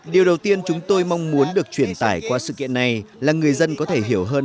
điều đầu tiên chúng tôi mong muốn được truyền tải qua sự kiện này là người dân có thể hiểu hơn